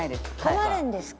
困るんですか？